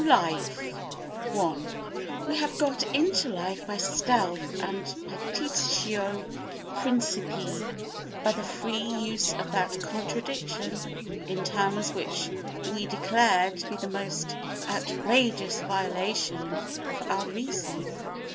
Life i We have got into life by stealth and petitio principii, by the free use of that contradiction in terms which we declare to be the most outrageous violation of our reason.